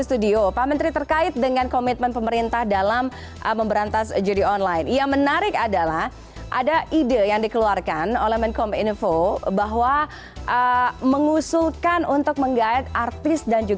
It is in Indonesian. selamat sore pak menteri